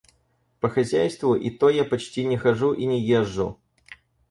По хозяйству — и то я почти не хожу и не езжу.